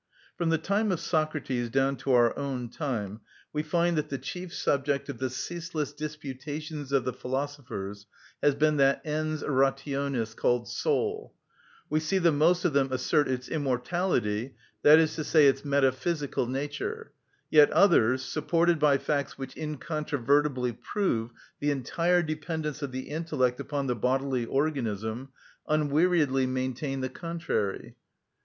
From the time of Socrates down to our own time, we find that the chief subject of the ceaseless disputations of the philosophers has been that ens rationis, called soul. We see the most of them assert its immortality, that is to say, its metaphysical nature; yet others, supported by facts which incontrovertibly prove the entire dependence of the intellect upon the bodily organism, unweariedly maintain the contrary.